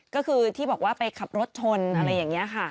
ก็คือที่บอกว่าไปขับรถชนอะไรอย่างนี้ค่ะ